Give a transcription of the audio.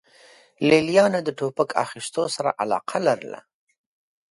لې لیانو د ټوپک اخیستو سره علاقه لرله